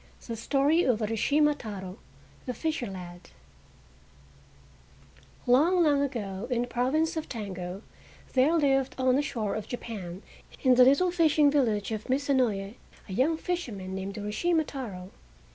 THE STORY OF URASHIMA TARO, THE FISHER LAD Long, long ago in the province of Tango there lived on the shore of Japan in the little fishing village of Mizu no ye a young fisherman named Urashima Taro.